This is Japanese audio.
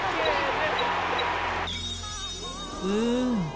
うん！